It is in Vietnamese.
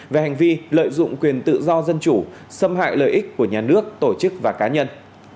về hành vi lợi dụng quyền tự do dân chủ xâm hại lợi ích của nhà nước tổ chức và cá nhân